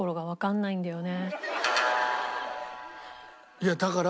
いやだから。